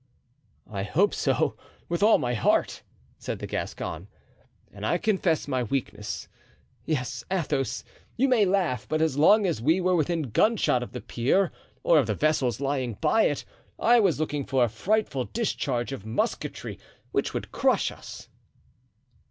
"I hope so, with all my heart," said the Gascon, "and I confess my weakness. Yes, Athos, you may laugh, but as long as we were within gunshot of the pier or of the vessels lying by it I was looking for a frightful discharge of musketry which would crush us."